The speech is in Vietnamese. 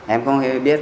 em không biết